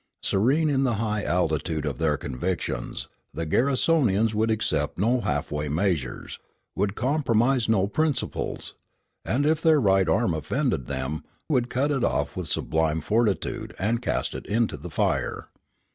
Serene in the high altitude of their convictions, the Garrisonians would accept no halfway measures, would compromise no principles, and, if their right arm offended them, would cut it off with sublime fortitude and cast it into the fire.